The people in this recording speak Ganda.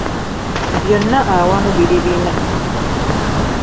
Byonna awamu biri bina.